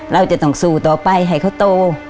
เราจะต้องสู้ต่อไปให้เขาโต